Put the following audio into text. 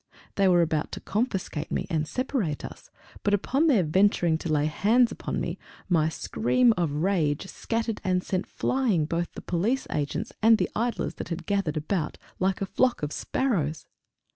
They were about to confiscate me, and separate us, but upon their venturing to lay hands on me my scream of rage scattered and sent flying both the police agents and the idlers that had gathered about, like a flock of sparrows!